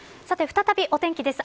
再びお天気です。